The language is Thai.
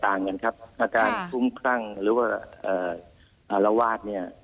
ต่างกันครับอาการคุ้มครั่งหรือว่าอารวาสเนี่ย